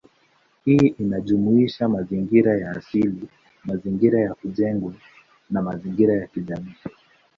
Hii inajumuisha mazingira ya asili, mazingira ya kujengwa, na mazingira ya kijamii.